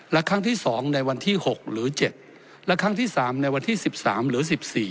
และครั้งที่๒ในวันที่๖หรือ๗และครั้งที่๓ในวันที่๑๓หรือ๑๔